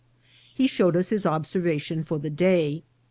He showed us his observation for the day.